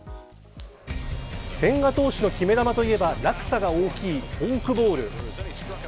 千賀投手の決め球といえば落差が大きいフォークボール。